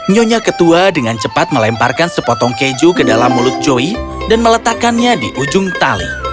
nyonya ketua dengan cepat melemparkan sepotong keju ke dalam mulut joy dan meletakkannya di ujung tali